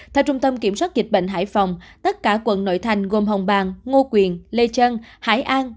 theo trung tâm kiểm soát dịch bệnh hải phòng tất cả quận nội thành gồm hồng bàng ngô quyền lê trân hải an